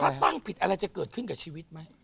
ถ้าตั้งผิดอะไรจะเกิดขึ้นกับชีวิตไหม